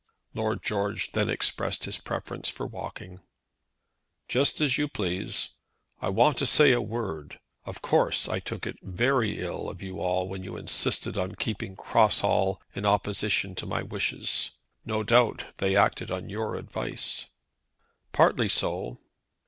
Lord George then expressed his preference for walking. "Just as you please. I want to say a word. Of course I took it very ill of you all when you insisted on keeping Cross Hall in opposition to my wishes. No doubt they acted on your advice." "Partly so."